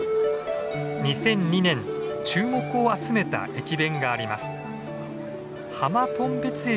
２００２年注目を集めた駅弁があります。